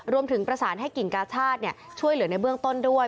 รวมถึงประสานให้กิ่งกาชาติช่วยเหลือในเบื้องต้นด้วย